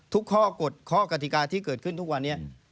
ข้อกฎข้อกฎิกาที่เกิดขึ้นทุกวันนี้